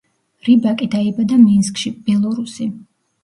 რიბაკი დაიბადა მინსკში, ბელორუსი.